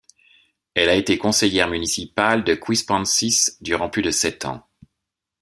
Elle a été conseillère municipale de Quispamsis durant plus de sept ans.